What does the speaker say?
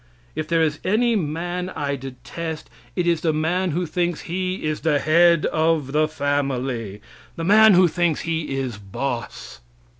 If there is any man I detest, it is the man who thinks he is the head of the family the man who thinks he is "boss".